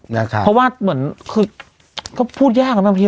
นะฮะเพราะว่าเหมือนคือเขาพูดยากกันบางที